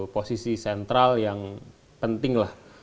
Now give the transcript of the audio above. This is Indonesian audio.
posisi sentral yang penting